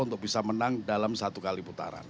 untuk bisa menang dalam satu kali putaran